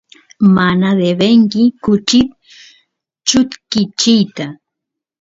mana devenki kuchit chutkichiyta